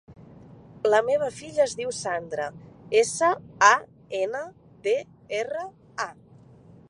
La meva filla es diu Sandra: essa, a, ena, de, erra, a.